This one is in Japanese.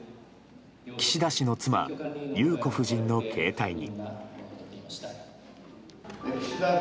岸田氏の妻・裕子夫人の携帯に。